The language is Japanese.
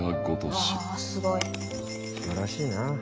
すばらしいな。